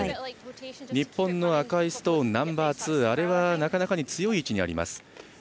日本の赤いストーンナンバーツーあれはなかなか強い位置にあります。